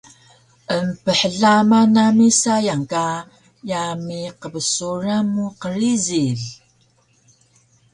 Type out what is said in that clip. Emphlama nami sayang ka yami qbsuran mu qrijil